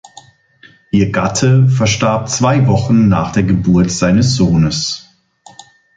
Ihr Gatte verstarb zwei Wochen nach der Geburt seines Sohnes.